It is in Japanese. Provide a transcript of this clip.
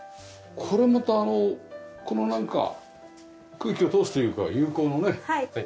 これまたこのなんか空気を通すというか有孔のね。